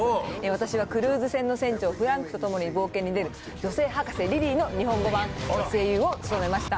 私はクルーズ船の船長フランクと共に冒険に出る女性博士リリーの日本語版声優を務めました。